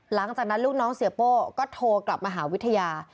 หลังจากนั้นลูกน้องเสียโป้ก็โทรกลับมาหาวิทยา